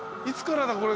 いつからだ？